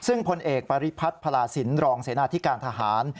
ซึ่งผลเอกปริภัทรพลาสินรองเสนาที่การทหาร